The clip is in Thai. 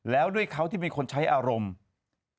แล้วด้วยเขาที่เป็นคนใช้อารมณ์